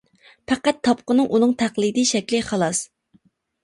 پەقەت تاپقىنىڭ ئۇنىڭ تەقلىدىي شەكلى، خالاس.